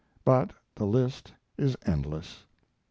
But the list is endless.